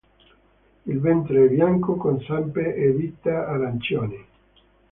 Il ventre è bianco con zampe e dita arancioni.